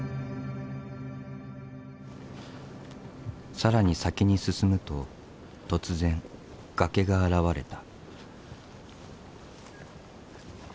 更に先に進むと突然崖が現れた。